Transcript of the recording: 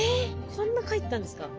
こんな書いてたんですか？